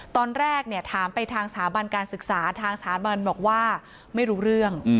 ตอนแรกถามไปทางสถาบันการศึกษาทางสถาบันบอกว่าไม่รู้เรื่อง